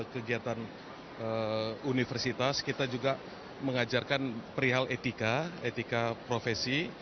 kegiatan universitas kita juga mengajarkan perihal etika etika profesi